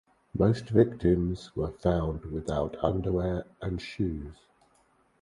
Most victims were found without underwear and shoes.